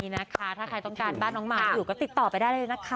นี่นะคะถ้าใครต้องการบ้านน้องหมาอยู่ก็ติดต่อไปได้เลยนะคะ